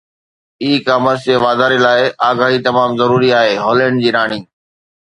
اي commerce جي واڌاري لاءِ آگاهي تمام ضروري آهي، هالينڊ جي راڻي